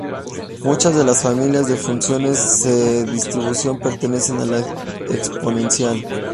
Muchas de las familias de funciones de distribución pertenecen a la exponencial.